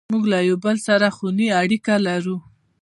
موږ له یو بل سره خوني اړیکې لرو.